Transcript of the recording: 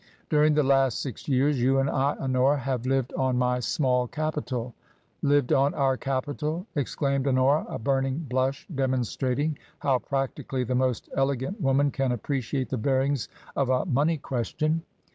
" During the last six years you and I, Honora, have lived on my small capital." " Lived on our capital !" exclaimed Honora, a burning blush demonstrating how practically the most elegant woman can appreciate the bearings of a money ques tion.